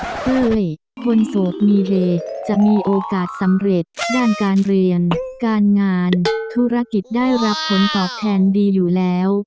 เฮ้ยคนโสดมีเฮจะมีโอกาสสำเร็จด้านการเรียนการงานธุรกิจได้รับผลตอบแทนดีอยู่แล้ว